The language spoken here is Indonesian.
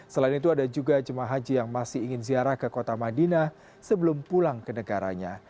selain itu ada juga jemaah haji yang masih ingin ziarah ke kota madinah sebelum pulang ke negaranya